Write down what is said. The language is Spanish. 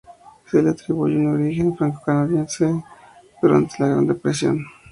Se le atribuye un origen francocanadiense durante la Gran Depresión.